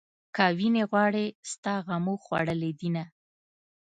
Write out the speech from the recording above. که وينې غواړې ستا غمو خوړلې دينه